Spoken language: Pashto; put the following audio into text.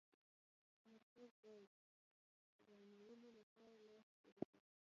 مرکز د ورانولو لپاره لاس پوري کړ.